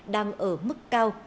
đang ở mức cao